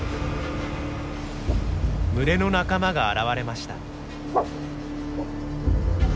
群れの仲間が現れました。